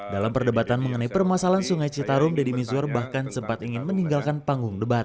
dalam perdebatan mengenai permasalahan sungai citarum deddy mizwar bahkan sempat ingin meninggalkan panggung debat